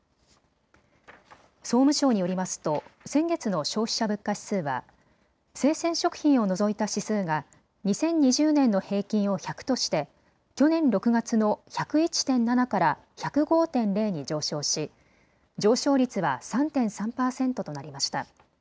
総務省によりますと先月の消費者物価指数は生鮮食品を除いた指数が２０２０年の平均を１００として去年６月の１０１．７から１０５．０に上昇し上昇率は３．３％となりました。